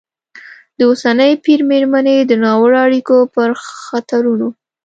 د اوسني پېر مېرمنې د ناوړه اړیکو پر خطرونو